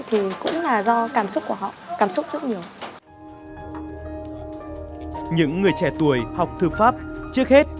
thì cũng là do cảm xúc của họ